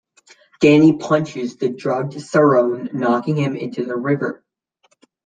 Danny punches the drugged Sarone, knocking him into the river.